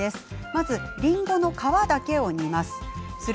まず、りんごの皮だけを煮ます。